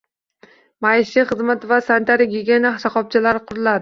Maishiy xizmat va sanitariya-gigiyena shoxobchalari quriladi.